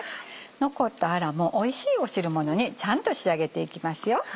残ったアラもおいしい汁物にちゃんと仕上げていきますよ。